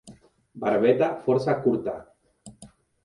Barbeta força curta.